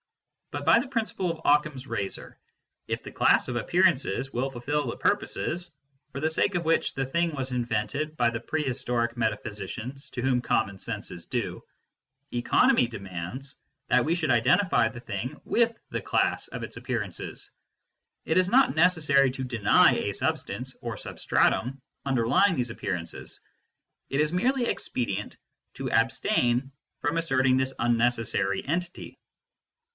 But by the prin ciple of Occam s razor, if the class of appearances will fulfil the purposes for the sake of which the thing was invented by the prehistoric metaphysicians to whom common sense is due, economy demands that we should identify the thing with the class of its appearances. It is not necessary to deny a substance or substratum underly ing these appearances ; it is merely expedient to abstain from asserting this unnecessary entity.